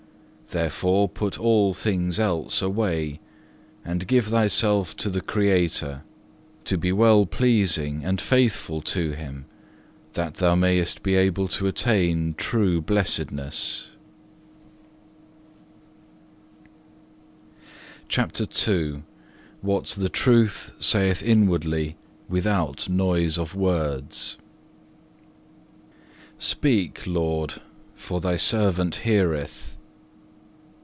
Therefore put all things else away, and give thyself to the Creator, to be well pleasing and faithful to Him, that thou mayest be able to attain true blessedness. (1) Psalm lxxxv. 8. CHAPTER II What the truth saith inwardly without noise of words Speak Lord, for thy servant heareth.